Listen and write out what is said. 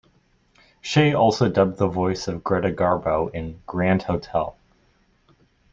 Shay also dubbed the voice of Greta Garbo in "Grand Hotel".